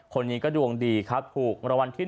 คนนี้ก็ดวงดีครับถูกรางวัลที่๑